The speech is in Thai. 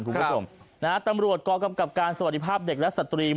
คุณผู้ชมนะฮะตำรวจกกำกับการสวัสดีภาพเด็กและสตรีม